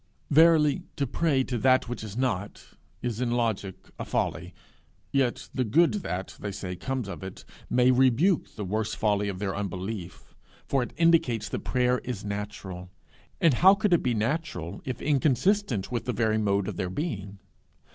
Verily to pray to that which is not, is in logic a folly; yet the good that, they say, comes of it, may rebuke the worse folly of their unbelief, for it indicates that prayer is natural, and how could it be natural if inconsistent with the very mode of our being?